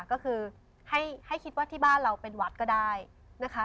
ก็คือให้คิดว่าที่บ้านเราเป็นวัดก็ได้นะคะ